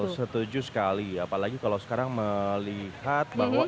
setuju sekali apalagi kalau sekarang melihat bahwa